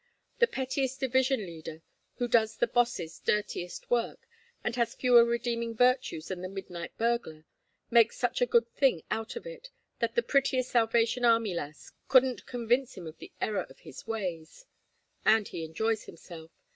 The pettiest division leader, who does the Boss's dirtiest work, and has fewer redeeming virtues than the midnight burglar, makes such a good thing out of it that the prettiest Salvation Army lass couldn't convince him of the error of his ways. And he enjoys himself.